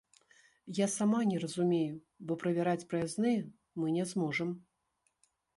Я сама не разумею, бо правяраць праязныя мы не зможам.